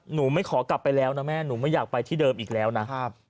หนูไม่ขอกลับไปแล้วนะแม่หนูไม่อยากไปที่เดิมอีกแล้วนะ